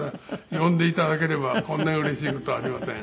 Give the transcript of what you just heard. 呼んで頂ければこんなにうれしい事はありません。